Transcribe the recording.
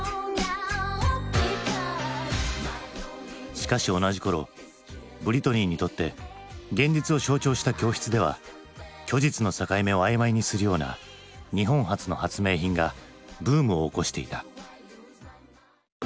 しかし同じころブリトニーにとって現実を象徴した教室では虚実の境目を曖昧にするような日本発の発明品がブームを起こしていた。